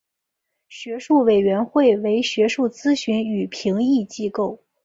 学术委员会为学术咨询与评议机构。